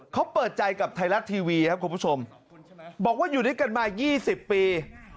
เขาเปิดใจกับไทยรัฐทีวีครับคุณผู้ชมบอกว่าอยู่ด้วยกันมา๒๐ปี